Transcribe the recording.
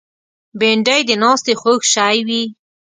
بېنډۍ د ناستې خوږ شی وي